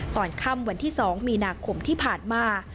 ตอนค่ำวันที่๒มีนาคมที่ผ่านมา